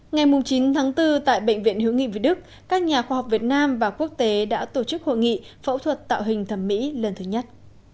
ngày chín tháng bốn tại bệnh viện hữu nghị việt đức các nhà khoa học việt nam và quốc tế đã tổ chức hội nghị phẫu thuật tạo hình thẩm mỹ lần thứ nhất